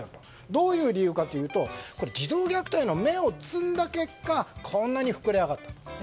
どういう理由かというと児童虐待の芽をつんだ結果こんなに膨れ上がった。